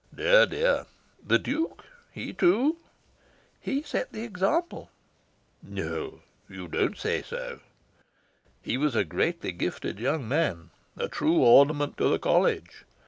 Dear, dear!... The Duke he, too?" "He set the example." "No! You don't say so! He was a greatly gifted young man a true ornament to the College.